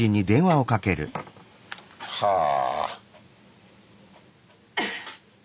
はあ。